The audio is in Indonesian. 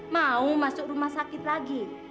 mau masuk rumah sakit lagi